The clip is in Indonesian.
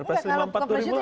kalau pak presiden itu